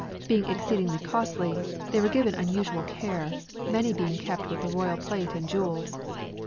Being exceedingly costly, they were given unusual care, many being kept with the royal plate and jewels.